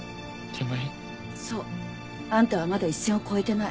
そう。あんたはまだ一線を越えてない。